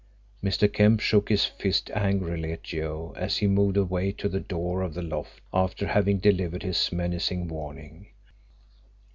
Mr. Kemp shook his fist angrily at Joe as he moved away to the door of the loft after having delivered his menacing warning.